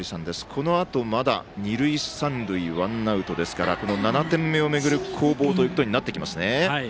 このあと、まだ二塁三塁、ワンアウトですから７点目を巡る攻防となってきますね。